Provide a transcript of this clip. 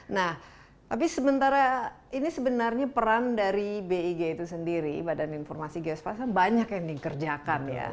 nah tapi sementara ini sebenarnya peran dari big itu sendiri badan informasi geospasa banyak yang dikerjakan ya